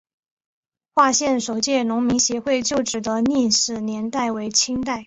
化县首届农民协会旧址的历史年代为清代。